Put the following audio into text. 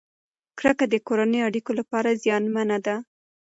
کرکه د کورنیو اړیکو لپاره زیانمنه ده.